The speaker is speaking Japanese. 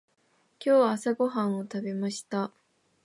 今日朝ごはんを食べました。